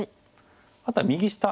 あとは右下。